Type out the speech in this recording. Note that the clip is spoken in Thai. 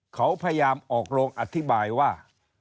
เขาพยายามออกโรงอธิบายว่า